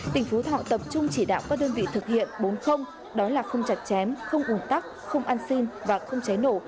tỉnh phú thọ tập trung chỉ đạo các đơn vị thực hiện bốn đó là không chặt chém không ủn tắc không ăn xin và không cháy nổ